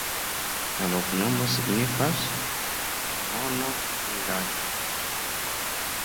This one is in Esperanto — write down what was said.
La loknomo signifas: Simono-vilaĝ'.